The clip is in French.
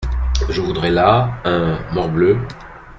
Je voudrais là… un… morbleu !…